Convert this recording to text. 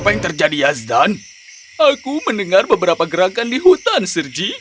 yazdan aku mendengar beberapa gerakan di hutan sergi